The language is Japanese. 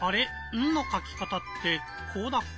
「ン」のかきかたってこうだっけ？